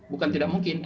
bukan tidak mungkin